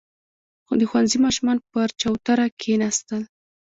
• د ښوونځي ماشومان پر چوتره کښېناستل.